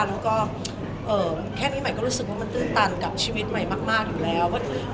แล้วก็แค่นี้ใหม่ก็รู้สึกว่ามันตื้นตันกับชีวิตใหม่มากอยู่แล้ว